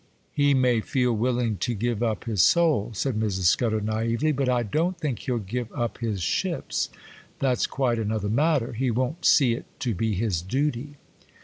'He may feel willing to give up his soul,' said Mrs. Scudder, naïvely, 'but I don't think he'll give up his ships,—that's quite another matter,—he won't see it to be his duty.